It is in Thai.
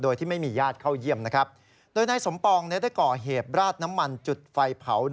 โดยนายสมปองได้ก่อเหตุบราดน้ำมันจุดไฟเผา